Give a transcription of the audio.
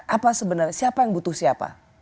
apa sebenarnya siapa yang butuh siapa